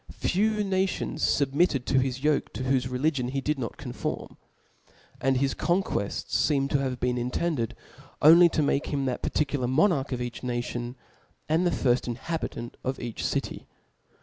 (*"); few nations fubmitted to his yoke^ to whofe religion he did not conform } and his conquells feem to have been intetidcd . only to make him the particu : lar monarch of each nation^ and the firft inhabitant of each city.